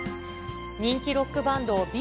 人気ロックバンド、Ｂ